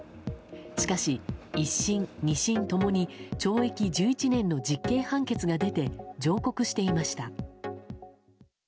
しかし、１審２審共に懲役１１年の実刑判決が出て上告していました。